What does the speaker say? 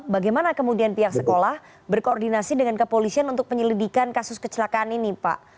bagaimana kemudian pihak sekolah berkoordinasi dengan kepolisian untuk penyelidikan kasus kecelakaan ini pak